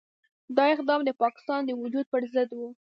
دا اقدام د پاکستان د وجود پرضد وو.